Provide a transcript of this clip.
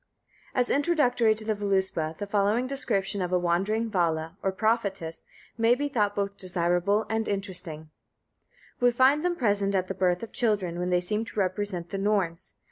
As introductory to the Voluspa, the following description of a wandering Vala or prophetess may be thought both desirable and interesting: "We find them present at the birth of children, when they seem to represent the Norns.